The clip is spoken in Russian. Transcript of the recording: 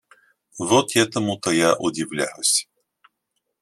Вот этому-то я удивляюсь